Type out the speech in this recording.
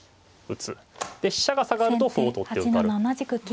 で飛車が下がると歩を取って受かる。